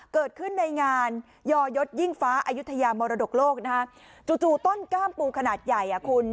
เกิดขึ้นในงานยอยศยิ่งฟ้าอายุทยามรดกโลกนะฮะจู่จู่ต้นกล้ามปูขนาดใหญ่อ่ะคุณ